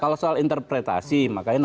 kalau soal interpretasi makanya